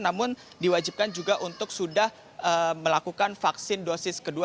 namun diwajibkan juga untuk sudah melakukan vaksin dosis kedua